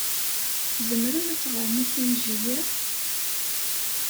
Tzemrem ad teɣrem akanji-a?